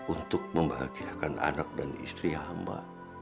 untuk membahagiakan anak dan istri hamba